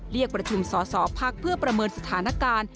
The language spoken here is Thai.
เรียกประชุมสอสอพักเพื่อประเมินสถานการณ์